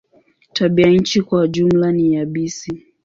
Tabianchi kwa jumla ni yabisi.